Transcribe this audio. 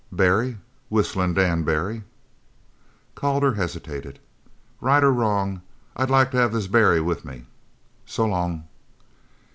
"Barry. Whistling Dan Barry." Calder hesitated. "Right or wrong, I'd like to have this Barry with me. So long."